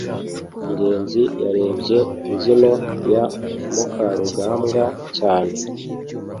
ngenzi yarebye imbyino ya mukarugambwa cyane